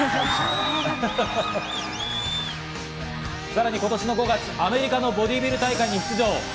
さらに今年の５月、アメリカのボディビル大会に出場。